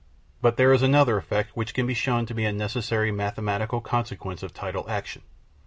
But there is another effect which can be shown to be a necessary mathematical consequence of tidal action.